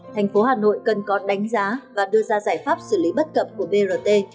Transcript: thành phố hà nội cần có đánh giá và đưa ra giải pháp xử lý bất cập của brt